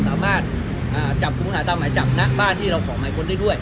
สามารถอ่าจับคุมภาคตามหมายจับนะบ้านที่เราขอใหม่ค้นได้ด้วย